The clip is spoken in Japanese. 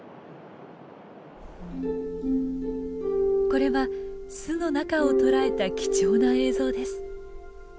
これは巣の中を捉えた貴重な映像です。